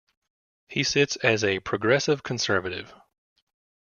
He sits as a Progressive Conservative.